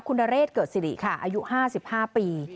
คุณนเรศเกิดสิริค่ะอายุ๕๕ปี